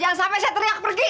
jangan sampai saya teriak pergi